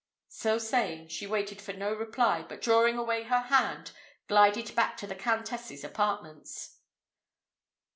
So saying, she waited for no reply, but drawing away her hand, glided back to the Countess's apartments.